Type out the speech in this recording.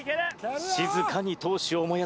静かに闘志を燃やす吉岡。